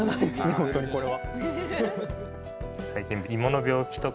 本当にこれは。